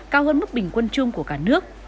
cao hơn mức bình quân chung của cả nước